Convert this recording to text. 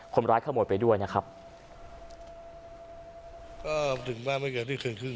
คนร้ายขโมยไปด้วยนะครับก็ถึงว่าไม่เกินเที่ยงคืนครึ่ง